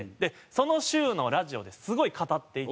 その週のラジオですごい語っていただいて。